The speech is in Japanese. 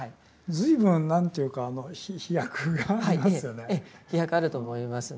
随分何というか飛躍がありますよね。